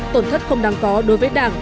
tổn thất không đáng có đối với đảng